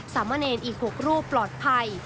สามเณรอีก๖รูปปลอดภัย